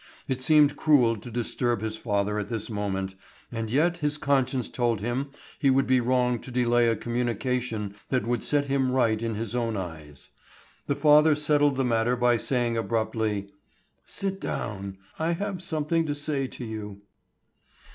It seemed cruel to disturb his father at this moment, and yet his conscience told him he would be wrong to delay a communication that would set him right in his own eyes. The father settled the matter by saying abruptly: "Sit down, I have something to say to you."